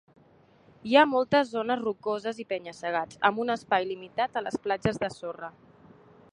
Hi ha moltes zones rocoses i penya-segats, amb un espai limitat a les platges de sorra.